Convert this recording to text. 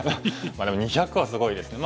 でも２００はすごいですね。